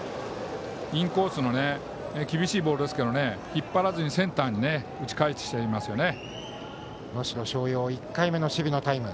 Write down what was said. インコースの厳しいボールですが引っ張らずにセンターに打ち返してますね。